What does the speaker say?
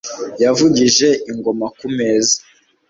Yavugije ingoma ku meza